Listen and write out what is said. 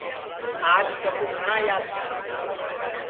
آج چکُو گھٹؔا یاد کرا